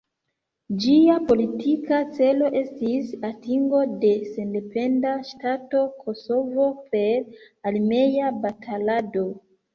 Ĝia politika celo estis atingo de sendependa ŝtato Kosovo per armea batalado.